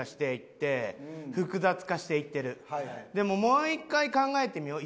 でももう１回考えてみよう。